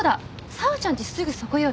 紗和ちゃんちすぐそこよね？